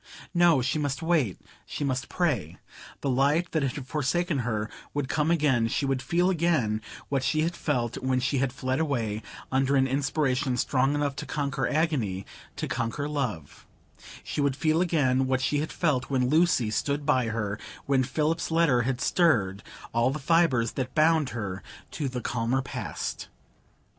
No, she must wait; she must pray; the light that had forsaken her would come again; she should feel again what she had felt when she had fled away, under an inspiration strong enough to conquer agony,—to conquer love; she should feel again what she had felt when Lucy stood by her, when Philip's letter had stirred all the fibres that bound her to the calmer past.